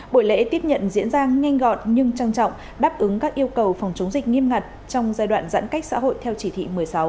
buổi lễ tiếp nhận diễn ra nhanh gọn nhưng trang trọng đáp ứng các yêu cầu phòng chống dịch nghiêm ngặt trong giai đoạn giãn cách xã hội theo chỉ thị một mươi sáu